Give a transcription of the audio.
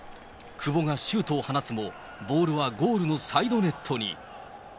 久保がシュートを放つも、ボールはゴールのサイドネットに。